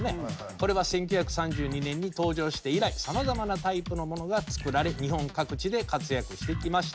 これは１９３２年に登場して以来さまざまなタイプのものが作られ日本各地で活躍してきました。